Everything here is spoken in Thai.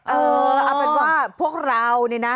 เออเอาเป็นว่าพวกเรานี่นะ